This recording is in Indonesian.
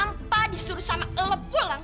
tanpa disuruh sama ele pulang